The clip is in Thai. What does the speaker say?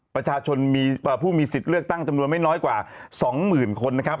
ประชาชนมีผู้มีสิทธิ์เลือกตั้งจำนวนไม่น้อยกว่า๒๐๐๐คนนะครับ